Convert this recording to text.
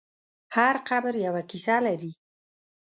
هر قبر یوه کیسه لري.